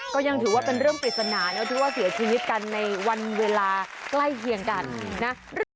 ก็ยังถือว่าเป็นเรื่องปริศนาที่ว่าเสียชีวิตกันในวันเวลาใกล้เคียงกันนะ